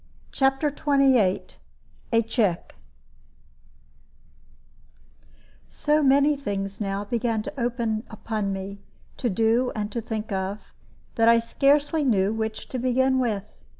CHAPTER XXVIII A CHECK So many things now began to open upon me, to do and to think of, that I scarcely knew which to begin with.